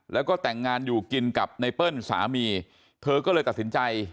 แล้วก็แต่งงานอยู่กินกับไนเปิ้ลสามีเธอก็เลยตัดสินใจ